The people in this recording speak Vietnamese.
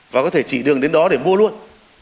và có thể chỉ đường đến đó để mua luôn